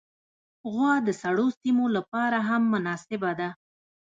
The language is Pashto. غوا د سړو سیمو لپاره هم مناسبه ده.